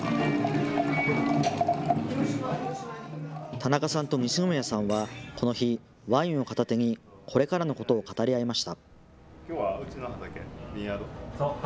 田中さんと西宮さんはこの日、ワインを片手にこれからのことを語り合いました。